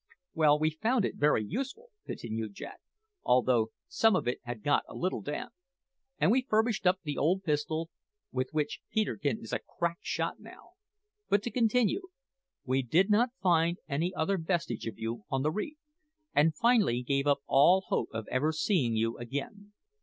"Well, we found it very useful," continued Jack, "although some of it had got a little damp; and we furbished up the old pistol, with which Peterkin is a crack shot now. But to continue. We did not find any other vestige of you on the reef, and finally gave up all hope of ever seeing you again.